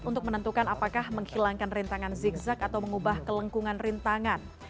untuk menentukan apakah menghilangkan rintangan zigzag atau mengubah kelengkungan rintangan